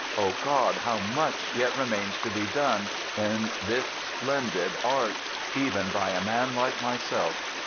Oh God! how much yet remains to be done in this splendid art, even by a man like myself!